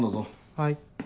はい。